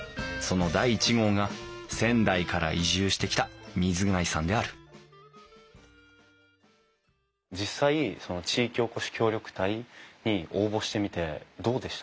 その第１号が仙台から移住してきた水谷さんである実際その地域おこし協力隊に応募してみてどうでした？